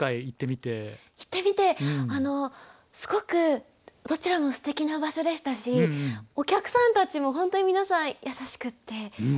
行ってみてすごくどちらもすてきな場所でしたしお客さんたちも本当に皆さん優しくって。